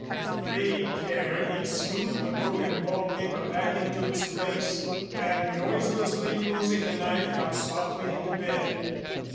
With great care he smoothed the broken wallpaper back into its place and noiselessly closing the knife got softly into bed.